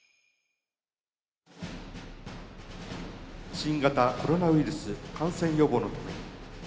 新型コロナウイルス感染予防のため。